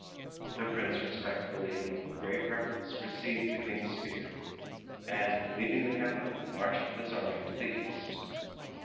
The Prince respectfully and with great reverence received the King's spear, and leaving the capital, marched with his army to the East.